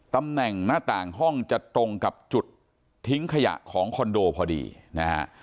ตำแหน่งหน้าต่างห้องจะตรงกับจุดทิ้งขยะของคอนโดพอดีนะฮะ